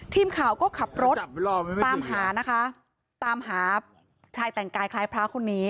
ทีมข่าวก็ขับรถตามหานะคะตามหาชายแต่งกายคล้ายพระคนนี้